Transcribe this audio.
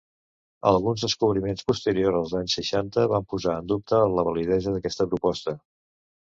Alguns descobriments posteriors als anys seixanta van posar en dubte la validesa d'aquesta proposta.